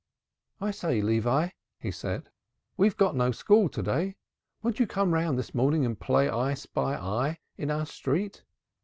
"I say, Levi," he said, "we've got no school to day. Won't you come round this morning and play I spy I in our street?